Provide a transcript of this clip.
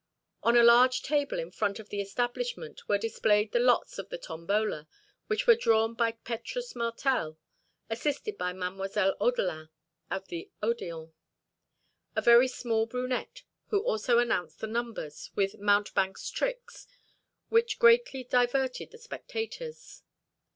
On a large table, in front of the establishment, were displayed the lots of the tombola, which were drawn by Petrus Martel, assisted by Mademoiselle Odelin of the Odéon, a very small brunette, who also announced the numbers, with mountebank's tricks, which greatly diverted the spectators.